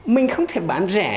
mình không thể bán rẻ